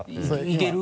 いける？